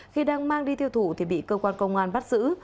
khi đang mang đi tiêu thủ thì bị cơ quan công an bắt giữ